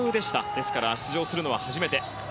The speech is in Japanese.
ですから出場するのは初めて。